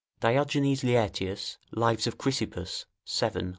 [Diogenes Laertius, Lives of Chyysippus, vii.